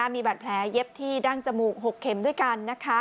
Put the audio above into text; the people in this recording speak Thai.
มีบาดแผลเย็บที่ดั้งจมูก๖เข็มด้วยกัน